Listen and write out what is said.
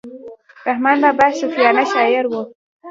رحمان بابا صوفیانه شاعر وو.